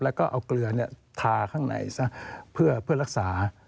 แล้วก็เอาเกลือทาข้างในซะเพื่อรักษา